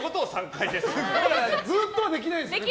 ずっとはできないんですね。